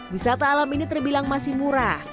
wisata alam ini terbilang masih murah